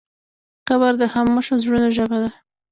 قبر د خاموشو زړونو ژبه ده.